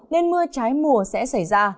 nên mưa trái mùa sẽ xảy ra